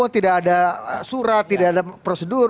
tidak ada surat tidak ada prosedur